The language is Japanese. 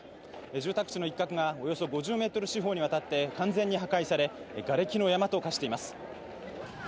住宅地の一角がおよそ５０ｍ四方にわたって完全に破壊されがれきの山と化しています。